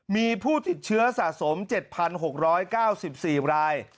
มีผู้ติดเชื้อสะสม๗๖๙๔ราย